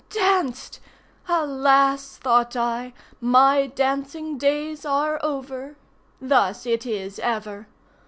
Danced! Alas, thought I, my dancing days are over! Thus it is ever.